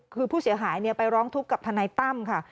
คือผู้เสียหายไปร้องทุกข์กับทนายตั้มค่ะ